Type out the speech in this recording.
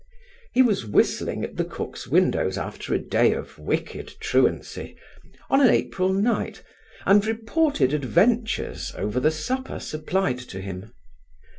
He was whistling at the cook's windows after a day of wicked truancy, on an April night, and reported adventures over the supper supplied to him.